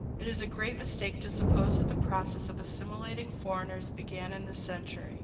It is a great mistake to suppose that the process of assimilating foreigners began in this century.